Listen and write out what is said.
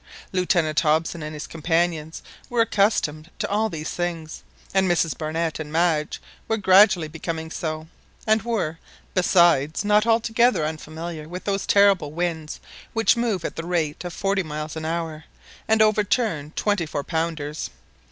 Lieutenant Hobson and his companions were accustomed to all these things, and Mrs Barnett and Madge were gradually becoming so, and were, besides, not altogether unfamiliar with those terrible winds which move at the rate of forty miles an hour, and overturn twenty four pounders.